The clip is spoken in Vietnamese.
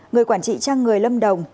người quản trị trang người lâm đồng